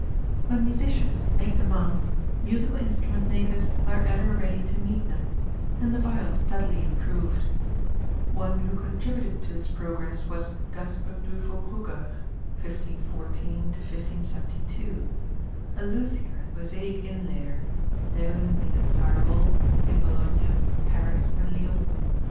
When musicians make demands musical instrument makers are ever ready to meet them, and the viol steadily improved. One who contributed to its progress was Gasper Duiffoprugcar (1514 1572) a luthier and mosaic inlayer, known in the Tyrol, in Bologna, Paris and Lyons.